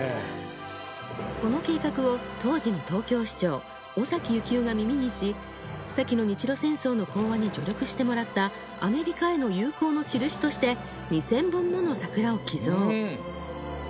この計画を当時の東京市長尾崎行雄が耳にし先の日露戦争の講和に助力してもらったアメリカへの友好の証として２０００本もの桜を寄贈。